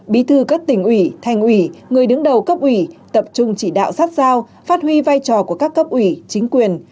bí thư các tỉnh ủy thành ủy người đứng đầu cấp ủy tập trung chỉ đạo sát giao phát huy vai trò của các cấp ủy chính quyền